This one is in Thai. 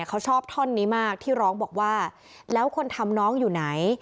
เขาชอบท่อนนี้มากที่ร้องบอกว่าแล้วคนทำน้องอยู่ไหน